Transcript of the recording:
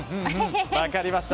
分かりました！